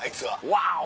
「ワオ！」